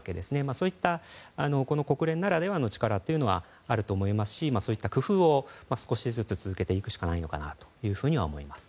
そういった国連ならではの力というのはあると思いますしそういった工夫を少しずつ続けていくしかないのかなと思います。